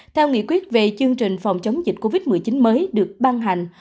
theo nghị quyết về chương trình phòng chống dịch covid một mươi chín mới được ban hành